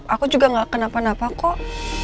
aku juga gak kenapa napa kok